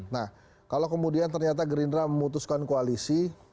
nah kalau kemudian ternyata gerindra memutuskan koalisi